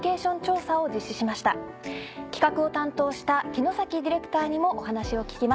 企画を担当した木野崎ディレクターにもお話を聞きます。